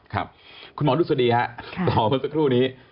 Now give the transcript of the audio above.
คุณหมอรู้สึกดีครับต่อมาสักครู่นี้